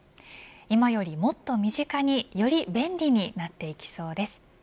今よりもっと身近により便利になっていきそうです。